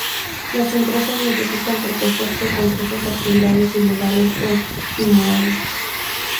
Las empresas necesitan protegerse contra estas actividades ilegales o inmorales.